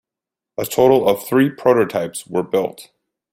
A total of three prototypes were built.